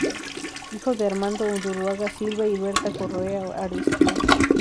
Hijo de Armando Undurraga Silva y de Berta Correa Ariztía.